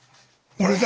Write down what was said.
・俺だ。